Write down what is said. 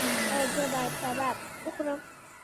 ایا زه باید کباب وخورم؟